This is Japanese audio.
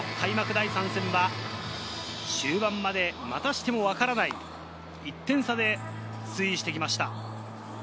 第３戦は、終盤までまたしてもわからない、１点差で推移してきました。